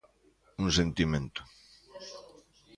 Un sentimento.